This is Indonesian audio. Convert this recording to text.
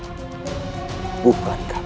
apakah kuranda geni